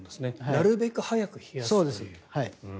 なるべく早く冷やすという。